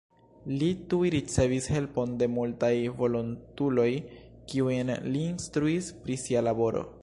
Li tuj ricevis helpon de multaj volontuloj kiujn li instruis pri sia laboro.